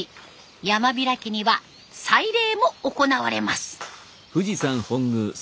山開きには祭礼も行われます。